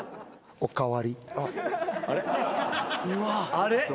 あれ？